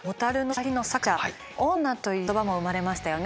「干物女」という言葉も生まれましたよね。